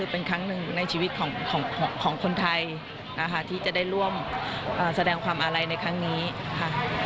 เป็นครั้งหนึ่งในชีวิตของคนไทยนะคะที่จะได้ร่วมแสดงความอาลัยในครั้งนี้ค่ะ